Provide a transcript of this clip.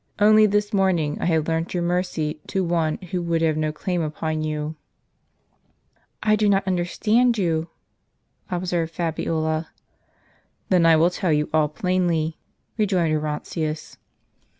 Only this, morning I have learnt your mercy to one who could have no claim upon you." " I do not understand you," observed Fabiola. " Then I will tell you all plainly," rejoined Orontius.